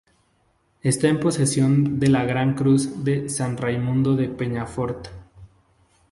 Está en posesión de la Gran Cruz de San Raimundo de Peñafort.